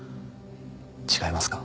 違いますか？